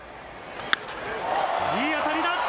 いい当たりだ。